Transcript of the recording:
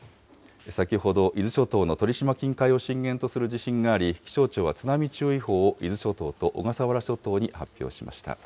先ほど、伊豆諸島の鳥島近海を震源とする地震があり、気象庁は津波注意報を伊豆諸島と小笠原諸島に発表しました。